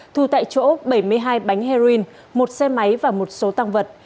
thu tại chỗ bảy mươi hai bánh heroin một xe máy và một số tăng vật